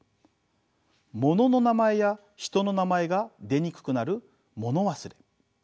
物の名前や人の名前が出にくくなる物忘れ。